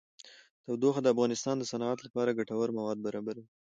تودوخه د افغانستان د صنعت لپاره ګټور مواد برابروي.